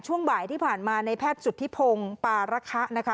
ช่วงบ่ายที่ผ่านมาในแพทย์สุธิพงศ์ปาระคะนะคะ